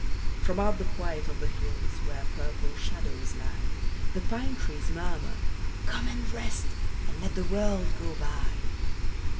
From out the quiet of the hills, Where purple shadows lie, The pine trees murmur, "Come and rest And let the world go by."